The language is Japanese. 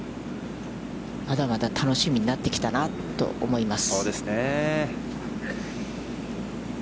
まだまだ楽しみになってきたなと思います。